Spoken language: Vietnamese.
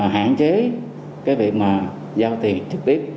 hạn chế việc giao tiền trực tiếp